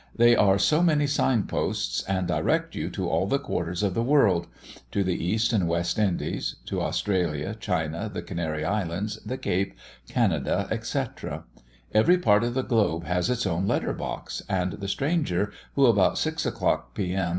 They are so many sign posts, and direct you to all the quarters of the world; to the East and West Indies, to Australia, China, the Canary Islands, the Cape, Canada, etc. Every part of the globe has its own letter box; and the stranger who, about six o'clock P. M.